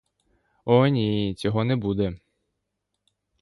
О ні, цього не буде!